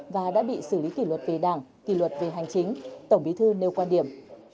và đã bị xử lý kỷ luật về đảng kỷ luật về hành chính tổng bí thư nêu quan điểm